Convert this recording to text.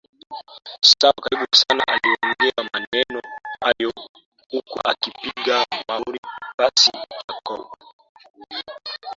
sawa karibu sanaaliongea maneno hayo huku akipiga muhuri pasi ya Jacob